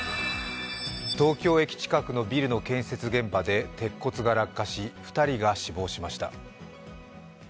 東京駅近くのビルの建設現場で鉄骨が落下し２人が死亡しました。